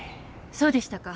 そうでしたか。